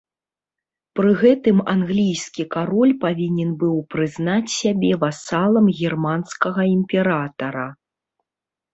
Пры гэтым англійскі кароль павінен быў прызнаць сябе васалам германскага імператара.